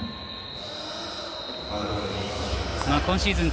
今シーズン